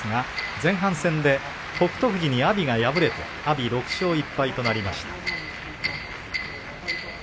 前半戦で北勝富士に阿炎が敗れ６勝１敗となりました。